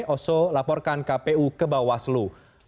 oso laporkan kpu ke bawaslu